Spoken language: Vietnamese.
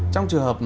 trong trường hợp mà